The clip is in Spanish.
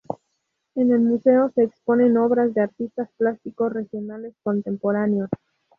En el museo se exponen obras de artistas plásticos regionales contemporáneos.